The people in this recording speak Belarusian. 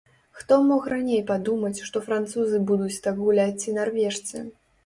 Хто мог раней падумаць, што французы будуць так гуляць ці нарвежцы.